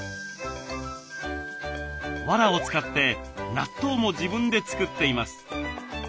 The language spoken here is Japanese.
わらを使って納豆も自分で作っています。